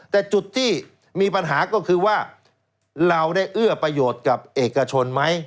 แต่จุดที่มีปัญหาก็คือว่าเราได้เอื้อประโยชน์กับเอกชนไหม